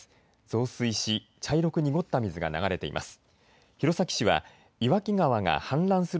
増水し茶色く濁った水が流れています。